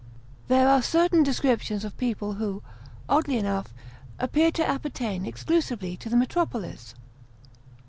THEKE are certain descriptions of people who, oddly enough, appear to appertain exclusively to the metropolis.